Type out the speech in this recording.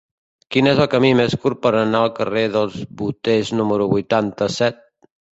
Quin és el camí més curt per anar al carrer dels Boters número vuitanta-set?